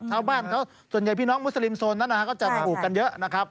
ชาวบ้านเขาส่วนใหญ่พี่น้องมุสลิมโซนนั้นนะฮะก็จะมาปลูกกันเยอะนะครับ